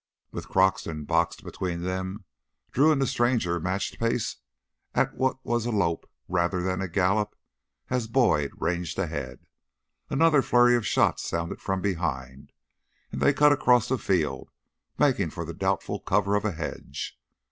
With Croxton boxed between them, Drew and the stranger matched pace at what was a lope rather than a gallop as Boyd ranged ahead. Another flurry of shots sounded from behind, and they cut across a field, making for the doubtful cover of a hedge.